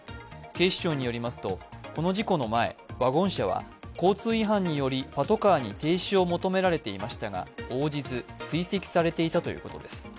警視庁によりますとこの事故の前、ワゴン車は交通違反によりパトカーに停止を求められていましたが応じず、追跡されていたということです。